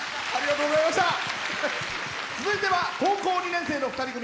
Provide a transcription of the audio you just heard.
続いては、高校２年生の２人組。